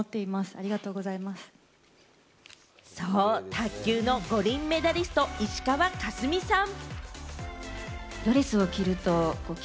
卓球の五輪メダリスト・石川佳純さん。